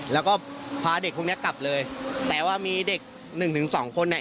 แล้วก็พาเด็กพวกเนี้ยกลับเลยแต่ว่ามีเด็กหนึ่งถึงสองคนเนี่ย